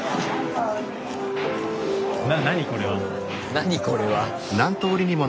何これは？